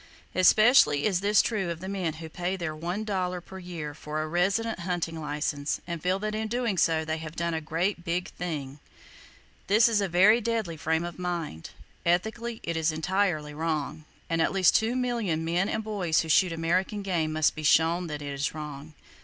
Especially is this true of the men who pay their one dollar per year for a resident hunting license, and feel that in doing so they have done a great Big Thing! This is a very deadly frame of mind. Ethically it is entirely wrong; and at least two million men and boys who shoot American game must be shown that it is wrong!